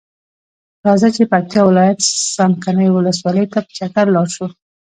راځۀ چې پکتیا ولایت څمکنیو ولسوالۍ ته په چکر لاړشو.